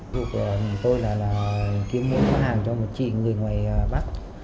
vụ của mình tôi là kiếm mua hàng cho một chị người ngoài bắc